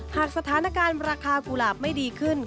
หากสถานการณ์ราคากุหลาบไม่ดีขึ้น